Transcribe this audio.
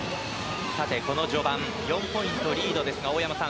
この序盤４ポイントリードですが大山さん